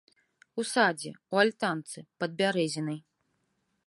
У садзе, у альтанцы, пад бярэзінай.